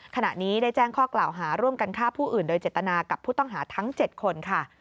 ขณะนี้ได้แจ้งข้อกล่าวหาร่วมกันฆ่าผู้อื่นโดยเจตนากับผู้ต้องหาทั้ง๗คนค่ะ